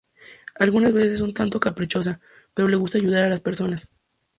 Algunas veces es un tanto caprichosa, pero le gusta ayudar a las personas.